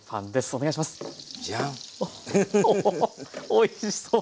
おおおいしそう！